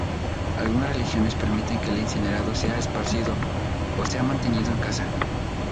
Algunas religiones permiten que el incinerado sea esparcido o sea mantenido en casa.